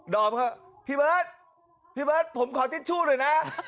อมครับพี่เบิร์ตพี่เบิร์ตผมขอทิชชู่หน่อยนะ